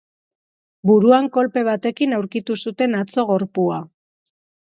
Buruan kolpe batekin aurkitu zuten atzo gorpua.